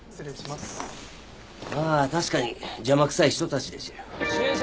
まあ確かに邪魔くさい人たちでしたよ。